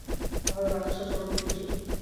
তাহলে রাকেশ আর চরণকে খুঁজুন।